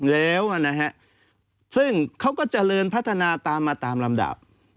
แล้วซึ่งเขาก็เจริญพัฒนาตามมาตามลำดับ